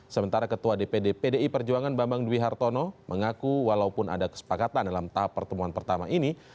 sementara ketua dpd pdi perjuangan bambang dwi hartono mengaku walaupun ada kesepakatan dalam tahap pertemuan pertama ini